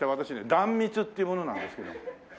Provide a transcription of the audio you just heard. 壇蜜っていう者なんですけども。